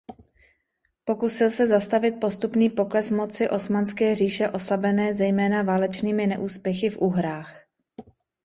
Pokusil se zastavit postupný pokles moci Osmanské říše oslabené zejména válečnými neúspěchy v Uhrách.